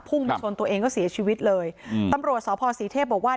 ไปชนตัวเองก็เสียชีวิตเลยอืมตำรวจสพศรีเทพบอกว่า